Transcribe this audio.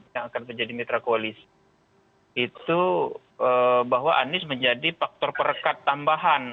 yang akan menjadi mitra koalisi itu bahwa anies menjadi faktor perekat tambahan